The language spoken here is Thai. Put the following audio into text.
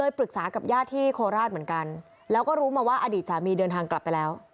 ปรึกษากับญาติที่โคราชเหมือนกันแล้วก็รู้มาว่าอดีตสามีเดินทางกลับไปแล้ว